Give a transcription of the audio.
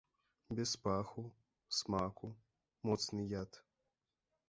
Без паху, смаку, моцны яд.